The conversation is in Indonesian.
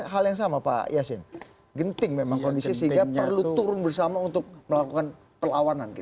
hal yang sama pak yasin genting memang kondisi sehingga perlu turun bersama untuk melakukan perlawanan